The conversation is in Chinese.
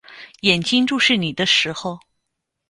眼睛注视你的时候